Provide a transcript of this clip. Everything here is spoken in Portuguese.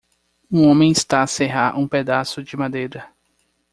Um homem está a serrar um pedaço de madeira.